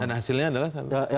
dan hasilnya adalah